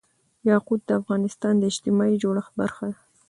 یاقوت د افغانستان د اجتماعي جوړښت برخه ده.